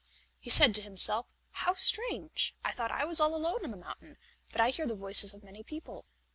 He said to himself: "How strange! I thought I was all alone in the mountain, but I hear the voices of many people."